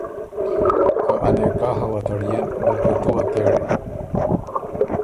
که ا نکاحه وه تړيېن۔ بلکې تُو وه تېړی“۔